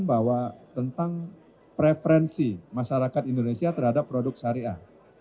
bahwa tentang preferensi masyarakat indonesia terhadap produk syariah